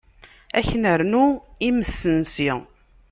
Ad k-nernu imesnsi?